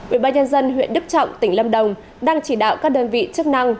ubnd huyện đức trọng tỉnh lâm đồng đang chỉ đạo các đơn vị chức năng